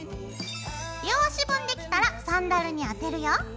両足分できたらサンダルにあてるよ。